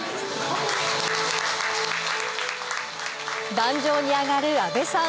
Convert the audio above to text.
壇上に上がる阿部さん